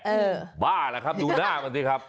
เออบ้าแหละครับดูหน้ามันสิครับ